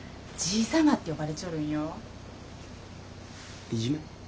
いじめ？